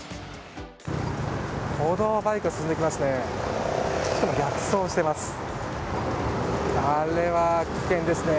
歩道をバイクが進んでいきますね。